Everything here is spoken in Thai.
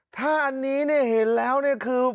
ถ้าอันนี้เนี่ยเห็นแล้วเนี่ยคือ